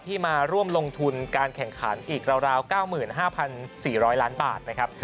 มาร่วมลงทุนการแข่งขันอีกราว๙๕๔๐๐ล้านบาทนะครับ